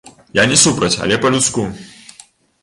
Я не супраць, але па-людску.